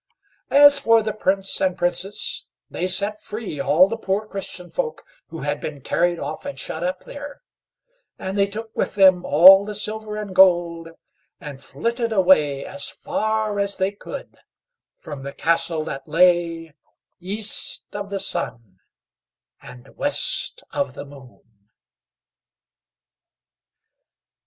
As for the Prince and Princess, they set free all the poor Christian folk who had been carried off and shut up there; and they took with them all the silver and gold, and flitted away as far as they could from the Castle that lay East of the Sun and West of the Moon.